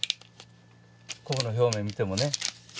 昆布の表面見てもね。